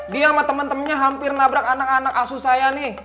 dia sama temen temennya hampir nabrak anak anak asuh saya nih